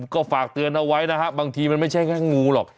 ก็ฝากเตือนเอาไว้นะฮะบางทีมันไม่ใช่แค่งูหรอก